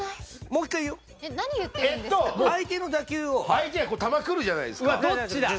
相手がこう球来るじゃないですか。